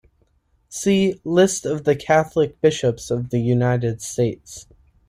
See "List of the Catholic bishops of the United States"